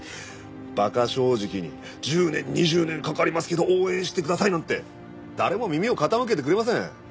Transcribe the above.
馬鹿正直に１０年２０年かかりますけど応援してくださいなんて誰も耳を傾けてくれません。